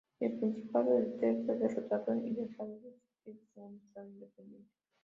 El Principado de Tver fue derrotado, y dejó de existir como un estado independiente.